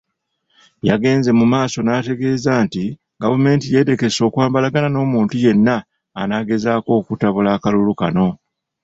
Yagenze mu maaso n'ategeeza nti gavumenti yeetegese okwambalagana n'omuntu yenna anaagezaako okutabula akalulu kano.